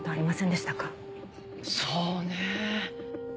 そうねえ。